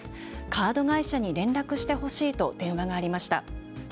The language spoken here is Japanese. カード会社に連絡してほしいと電話がありました。